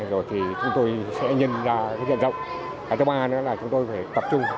rồi thì chúng tôi sẽ nhân ra cái diện rộng cái thứ ba nữa là chúng tôi phải tập trung